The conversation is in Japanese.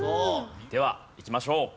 ではいきましょう。